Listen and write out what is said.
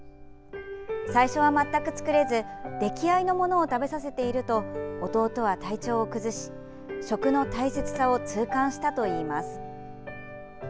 最初は全く作れず出来合いのものを食べさせていると弟は体調を崩し食の大切さを痛感したといいます。